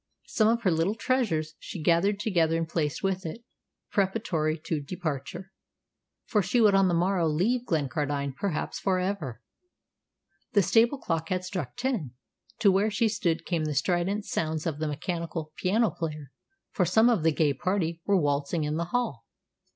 Some of her little treasures she gathered together and placed with it, preparatory to departure, for she would on the morrow leave Glencardine perhaps for ever. The stable clock had struck ten. To where she stood came the strident sounds of the mechanical piano player, for some of the gay party were waltzing in the hall.